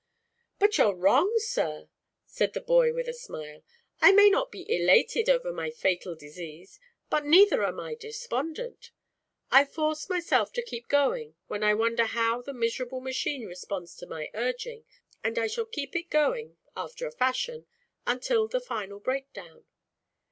"But you're wrong, sir!" said the boy with a smile; "I may not be elated over my fatal disease, but neither am I despondent. I force myself to keep going when I wonder how the miserable machine responds to my urging, and I shall keep it going, after a fashion, until the final breakdown.